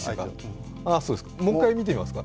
もう一回見てみますか？